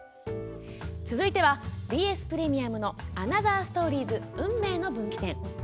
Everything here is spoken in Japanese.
続いてはＢＳプレミアムの「アナザーストーリーズ運命の分岐点」。